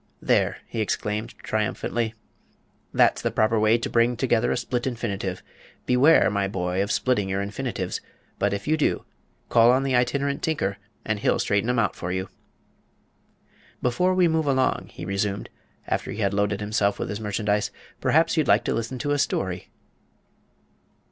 "There!" he exclaimed, triumphantly, "that's the proper way to bring together a split infinitive. Beware, my boy, of splitting your infinitives; but if you do, call on the Itinerant Tinker and he'll straighten 'em out for you." "Before we move along," he resumed, after he had loaded himself with his merchandise, "perhaps you'd like to listen to a story?"